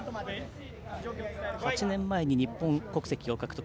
８年前、日本国籍を獲得。